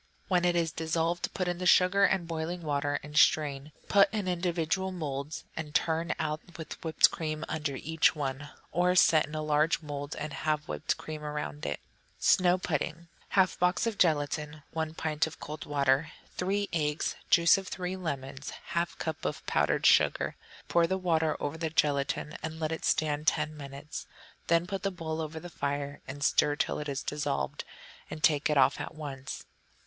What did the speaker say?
When it is dissolved, put in the sugar and boiling water and strain; put in little individual moulds, and turn out with whipped cream under each one. Or, set in a large mould, and have whipped cream around it. Snow Pudding 1/2 box of gelatine. 1 pint of cold water. 3 eggs. Juice of three lemons. 1/2 cup of powdered sugar. Pour the water over the gelatine and let it stand ten minutes; then put the bowl over the fire and stir till it is dissolved, and take it off at once.